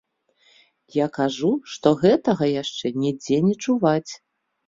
Я кажу, што гэтага яшчэ нідзе не чуваць.